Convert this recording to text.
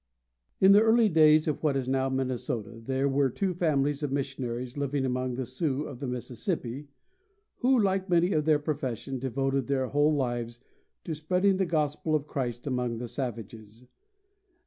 In the early days of what is now Minnesota there were two families of missionaries living among the Sioux of the Mississippi, who, like many of their profession, devoted their whole lives to spreading the gospel of Christ among the savages.